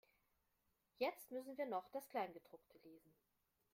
Jetzt müssen wir noch das Kleingedruckte lesen.